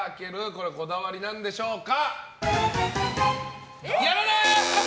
これはこだわりなんでしょうか。